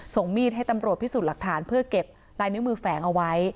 มีดให้ตำรวจพิสูจน์หลักฐานเพื่อเก็บลายนิ้วมือแฝงเอาไว้